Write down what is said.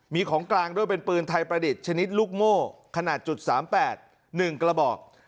มีของกลางด้วยเป็นปืนไทยประดิษฐ์ชนิดลูกโม่ขนาดจุดสามแปดหนึ่งกระบอก